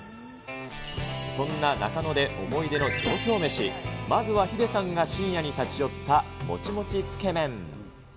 そんな中野で思い出の上京メシ、まずはヒデさんが深夜に立ち寄ったもちもちつけ麺。